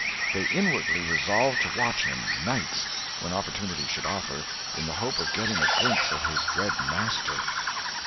They inwardly resolved to watch him nights, when opportunity should offer, in the hope of getting a glimpse of his dread master.